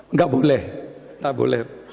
nggak boleh nggak boleh